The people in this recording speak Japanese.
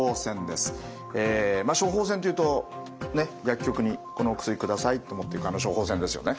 処方箋というと薬局に「このお薬下さい」と持っていくあの処方箋ですよね。